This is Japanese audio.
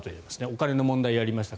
お金の問題やりました。